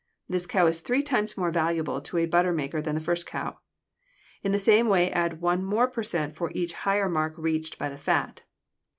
This cow is three times more valuable to a butter maker than the first cow. In the same way add one more per cent for each higher mark reached by the fat.